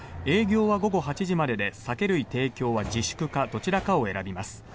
営業は午後８時までで酒類提供は自粛かどちらかを選びます。